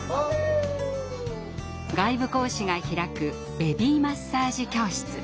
外部講師が開くベビーマッサージ教室。